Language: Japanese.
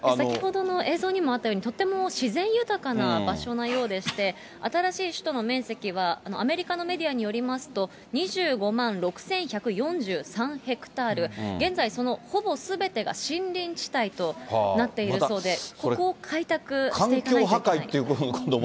先ほどの映像にもあったように、とても自然豊かな場所なようでして、新しい首都の面積は、アメリカのメディアによりますと、２５万６１４３ヘクタール、現在、そのほぼすべてが森林地帯となっているそうで、ここを開拓していかないといけない。